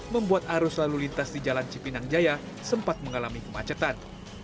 membuat arus lalu lintas di jalan cipinang jaya sempat mengalami kemacetan